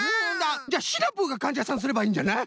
じゃあシナプーがかんじゃさんすればいいんじゃない？